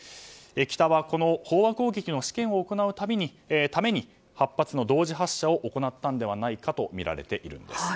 北は飽和攻撃の試験を行うために８発の同時発射を行ったのではないかとみられているんです。